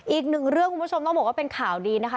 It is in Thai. อีกหนึ่งเรื่องคุณผู้ชมต้องบอกว่าเป็นข่าวดีนะคะ